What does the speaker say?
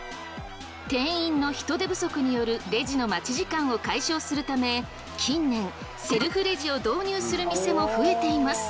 店員の人手不足によるレジの待ち時間を解消するため近年セルフレジを導入する店も増えています。